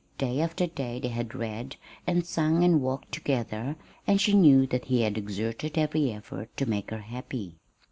Day after day they had read, and sung and walked together; and she knew that he had exerted every effort to make her happy.